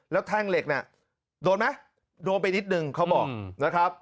แล้วแท่งเหล็กน่ะโดนไหมโดนไปนิดนึงเขาบอกนะครับ